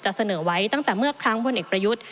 เสนอไว้ตั้งแต่เมื่อครั้งพลเอกประยุทธ์